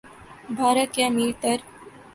بھارت کے امیر تر